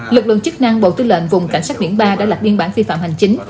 lực lượng chức năng bộ tư lệnh vùng cảnh sát biển ba đã lập biên bản vi phạm hành chính